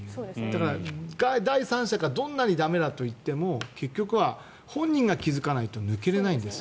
だから、第三者がどんなに駄目だと言っても結局は本人が気付かないと抜けられないと。